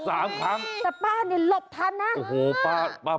แต่ป้านี่หลบทันนะ